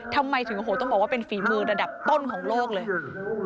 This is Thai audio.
ทำไมถึงโอ้โหต้องบอกว่าเป็นฝีมือระดับต้นของโลกเลย